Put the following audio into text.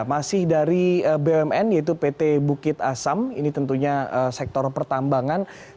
masih dari bumn yaitu pt bukit asam ini tentunya sektor pertambangan